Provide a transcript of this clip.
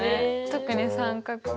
特に三角。